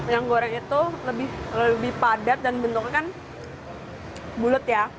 yang goreng itu lebih padat dan bentuknya kan bulet ya